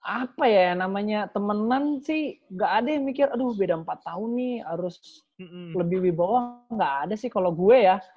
apa ya namanya temenan sih gaada yang mikir aduh beda empat tahun nih harus lebih lebih bawah gaada sih kalo gue ya